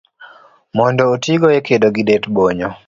mondo otigo e kedo gi det - bonyo.